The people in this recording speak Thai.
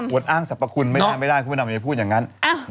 อวดอ้างสรรพคุณไม่ได้ไม่ได้พูดอย่างนั้น